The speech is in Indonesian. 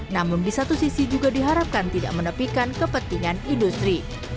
namun di satu sisi juga diharapkan tidak menepikan kepentingan industri